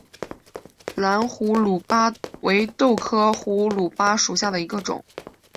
蓝胡卢巴为豆科胡卢巴属下的一个种。